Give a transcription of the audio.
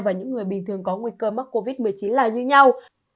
và những người bình thường có nguy cơ mắc covid một mươi chín là như nhau